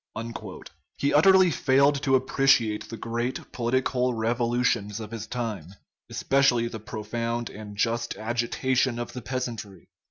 He utterly failed to appreciate the great political revolu tions of his time, especially the profound and just agi tation of the peasantry.